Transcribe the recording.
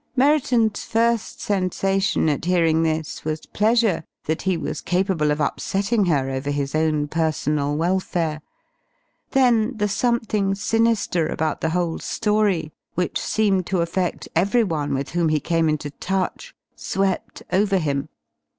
Merriton's first sensation at hearing this was pleasure that he was capable of upsetting her over his own personal welfare. Then the something sinister about the whole story, which seemed to affect every one with whom he came into touch, swept over him.